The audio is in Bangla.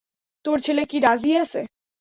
তোর ছেলে কি রাজি আছে?